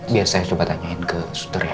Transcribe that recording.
biar saya coba tanyain ke sutera